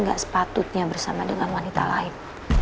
gak sepatutnya bersama dengan wanita lain